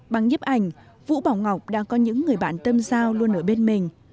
bằng nhếp ảnh vũ bảo ngọc đang có những người bạn tâm giao luôn ở bên mình